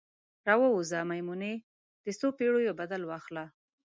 راووځه میمونۍ، د څوپیړیو بدل واخله